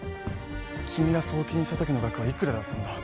君が送金した時の額はいくらだったんだ？